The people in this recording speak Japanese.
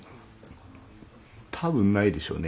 多分ないでしょうね。